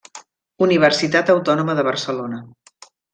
Universitat Autònoma de Barcelona.